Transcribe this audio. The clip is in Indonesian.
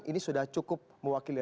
ini sudah cukup mewakili